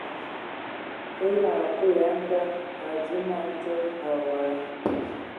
Eyɔŋ a kui ya a nda a dii man dzom awɔi.